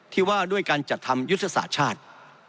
ที่ว่าด้วยการจัดทำยุทธศาสตร์ชาติ